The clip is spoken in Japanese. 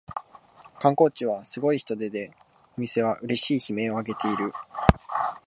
観光地はすごい人出でお店はうれしい悲鳴をあげている